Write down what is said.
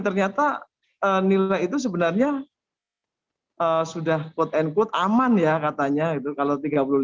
ternyata nilai itu sebenarnya sudah quote unquote aman ya katanya gitu kalau tiga puluh lima